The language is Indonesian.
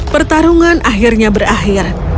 pertarungan akhirnya berakhir